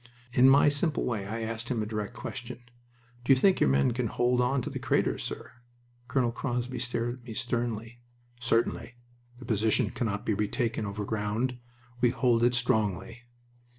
In my simple way I asked him a direct question: "Do you think your men can hold on to the craters, sir?" Colonel Crosby stared at me sternly. "Certainly. The position cannot be retaken overground. We hold it strongly."